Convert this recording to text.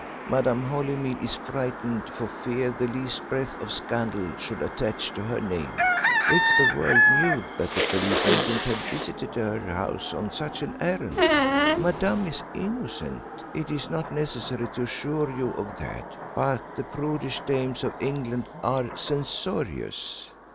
Madame Holymead is frightened for fear the least breath of scandal should attach to her name, if the world knew that the police agent had visited her house on such an errand. Madame is innocent it is not necessary to assure you of that; but the prudish dames of England are censorious."